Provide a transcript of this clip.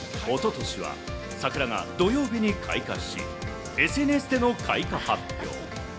一昨年は桜が土曜日に開花しＳＮＳでの開花発表。